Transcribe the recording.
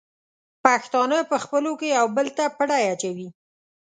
پښتانه په خپلو کې یو بل ته پړی اچوي.